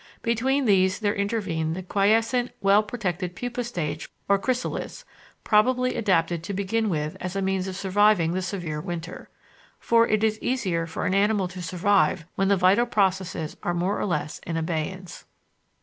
Between these there intervened the quiescent, well protected pupa stage or chrysalis, probably adapted to begin with as a means of surviving the severe winter. For it is easier for an animal to survive when the vital processes are more or less in abeyance.